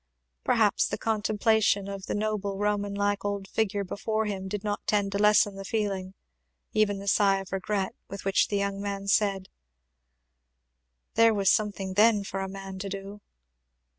Perhaps the contemplation of the noble Roman like old figure before him did not tend to lessen the feeling, even the sigh of regret, with which the young man said, "There was something then for a man to do!"